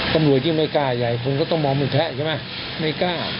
ตำรวจยิ่งไม่กล้าใหญ่คุณก็ต้องมองไม่แพ้ใช่ไหมไม่กล้า